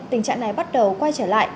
tình trạng này bắt đầu quay trở lại